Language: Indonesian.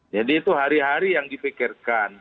jadi itu hari hari yang dipikirkan